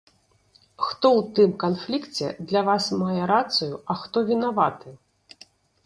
Хто ў тым канфлікце для вас мае рацыю, а хто вінаваты?